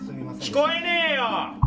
聞こえねえよ！